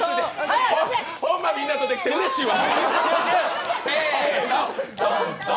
ほんま、みんなとできてうれしいわ。